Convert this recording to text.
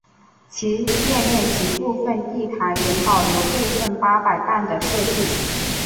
其店面及部份地台仍保留部份八佰伴的设计。